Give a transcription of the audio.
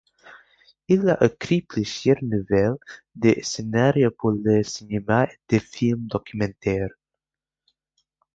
Il a écrit plusieurs nouvelles, des scénarios pour le cinéma et des films documentaires.